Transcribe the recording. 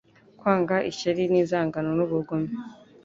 Kwanga ishyari inzangano n'ubugome